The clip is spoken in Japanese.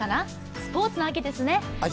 スポーツの秋ですね。